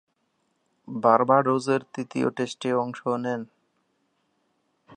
বার্বাডোসের তৃতীয় টেস্টে অংশ নেন।